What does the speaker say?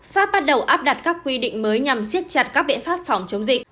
pháp bắt đầu áp đặt các quy định mới nhằm siết chặt các biện pháp phòng chống dịch